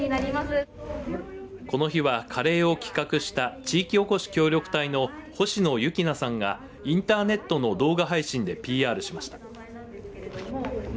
この日は、カレーを企画した地域おこし協力隊の星野由季菜さんがインターネットの動画配信でＰＲしました。